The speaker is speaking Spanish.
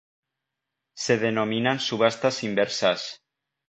Se denominan subastas inversas.